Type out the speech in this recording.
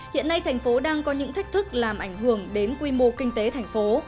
hiện nay thành phố đang có những thách thức làm ảnh hưởng đến quy mô kinh tế thành phố